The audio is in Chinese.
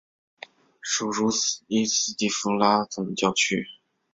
属茹伊斯迪福拉总教区。